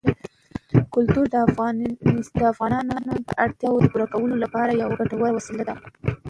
کلتور د افغانانو د اړتیاوو د پوره کولو لپاره یوه ګټوره وسیله ده.